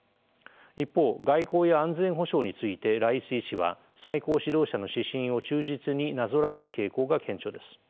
一方外交や安全保障についてライシ師は最高指導者の指針を忠実になぞらえる傾向が顕著です。